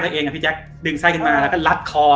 ตัวเองอ่ะพี่แจ็คดึงไทกินมาแล้วก็ลัดคอ